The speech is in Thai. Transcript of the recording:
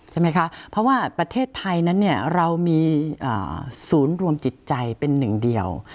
ใช่ไหมคะเพราะว่าประเทศไทยนั้นเนี่ยเรามีศูนย์รวมจิตใจเป็นหนึ่งเดียว